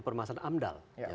permasalahan amdal ya